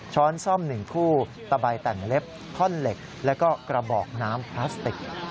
้อนซ่อม๑คู่ตะใบแต่งเล็บท่อนเหล็กแล้วก็กระบอกน้ำพลาสติก